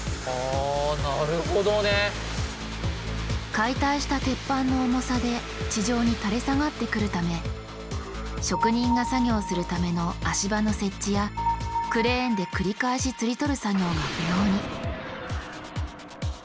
解体した鉄板の重さで地上に垂れ下がってくるため職人が作業するための足場の設置やクレーンで繰り返しつり取る作業が不要に。